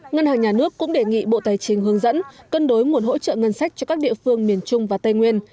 ngân hàng nhà nước cũng đề nghị bộ tài chính hướng dẫn cân đối nguồn hỗ trợ ngân sách cho các địa phương miền trung và tây nguyên